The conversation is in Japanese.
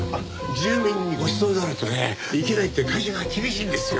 住民にごちそうになるとねいけないって会社が厳しいんですよ。